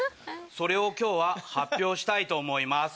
それを今日は発表したいと思います。